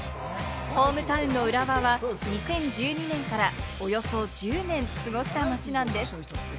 ホームタウンの浦和は２０１２年からおよそ１０年、過ごした街なんです。